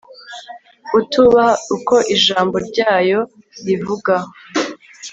utubaha uko ijambo ryayo rivuga